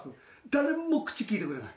誰も口利いてくれない。